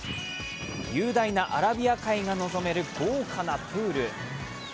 雄大なアラビア海が望める豪華なプール。